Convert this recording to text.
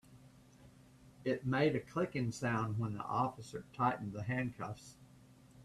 It made a clicking sound when the officer tightened the handcuffs.